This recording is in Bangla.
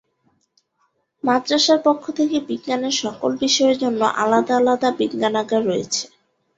মাদ্রাসার পক্ষ থেকে বিজ্ঞানের সকল বিষয়ের জন্য আলাদা আলাদা বিজ্ঞানাগার রয়েছে।